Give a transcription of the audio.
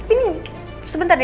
ini sebentar deh